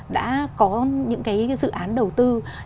đã có những cái dự án đầu tư